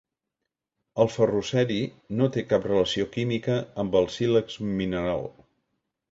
El ferroceri no té cap relació química amb el sílex mineral.